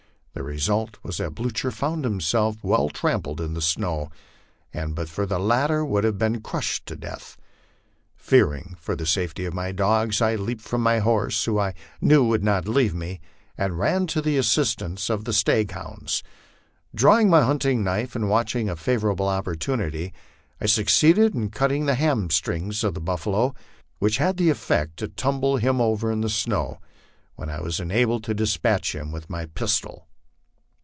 The result was that Blucher found himself well trampled in snow, and but for the latter would have been crushed to death. Fearing for the safety of my dogs, I leaped from my horse, who I knew would not leave me, and ran to the assistance of 150 LIFE ON THE PLAINS, the stag hounds. Drawing my hunting knife and watching a favorable oppor tunity, I succeeded in cutting the hamstrings of the buffalo, which had the ef fect to tumble him over in the snow, when I was enabled to despatch him with my pistol.